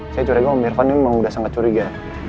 saya curiga om irfan ini memang udah sangat curiga